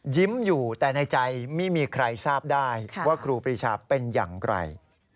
อยู่แต่ในใจไม่มีใครทราบได้ว่าครูปรีชาเป็นอย่างไร